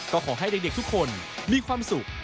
ก็ขอให้เด็กทุกคนมีความสุข